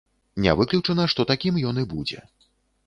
Не выключана, што такім ён і будзе.